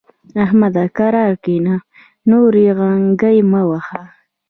احمد؛ کرار کېنه ـ نورې غنګۍ مه وهه.